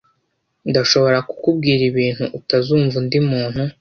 Ndashobora kukubwira ibintu utazumva undi muntu.